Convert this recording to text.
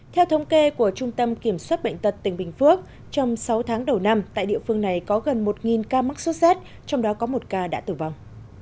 theo thống kê của trung tâm kiểm soát bệnh tật tỉnh bình phước trong sáu tháng đầu năm tại địa phương này có gần một ca mắc sốt rét trong đó có một ca đã tử vong